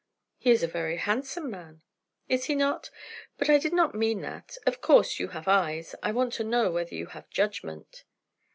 "He is a very handsome man." "Is he not? But I did not mean that. Of course you have eyes. I want to know whether you have judgment."